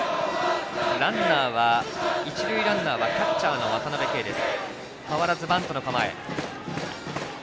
一塁ランナーはキャッチャーの渡辺憩です。